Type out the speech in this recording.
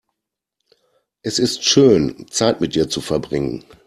Es ist schön, Zeit mit dir zu verbringen.